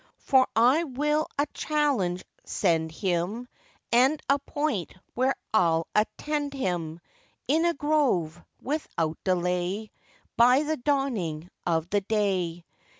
'For I will a challenge send him, And appoint where I'll attend him, In a grove, without delay, By the dawning of the day.